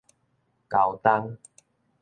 交冬